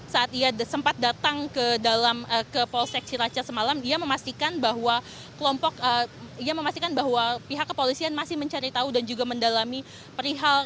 saat ia sempat datang ke polsek siraca semalam ia memastikan bahwa pihak kepolisian masih mencari tahu dan juga mendalami perihal